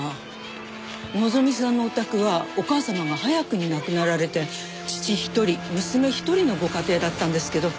のぞみさんのお宅はお母様が早くに亡くなられて父一人娘一人のご家庭だったんですけど。